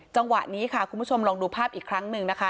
จังหวะนี้ค่ะคุณผู้ชมลองดูภาพอีกครั้งหนึ่งนะคะ